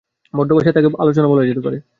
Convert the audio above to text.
ভদ্রভাষায় তাকে আলোচনা বলা যেতে পারে।